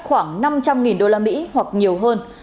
khoảng năm trăm linh usd hoặc nhiều hơn